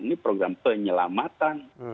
ini program penyelamatan